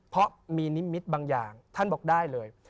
เพราะมีนิมิตบางอย่างท่านบอกได้เลย